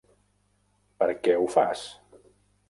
Per què ho fas?